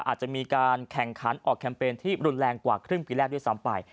อาจจะมีการแข่งขันออกแคมเปญที่รุนแรงกว่าครึ่งปีแรกด้วยซ้ำไป